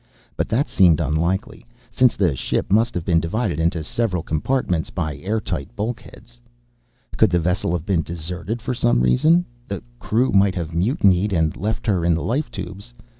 But that seemed unlikely, since the ship must have been divided into several compartments by air tight bulkheads. Could the vessel have been deserted for some reason? The crew might have mutinied, and left her in the life tubes.